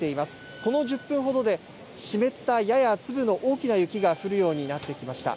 この１０分ほどで湿ったやや粒の大きな雪が降るようになってきました。